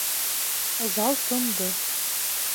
Зал тынды.